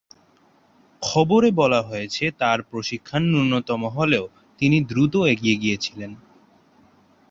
খবরে বলা হয়েছে, তার প্রশিক্ষণ ন্যূনতম হলেও তিনি দ্রুত এগিয়ে গিয়েছিলেন।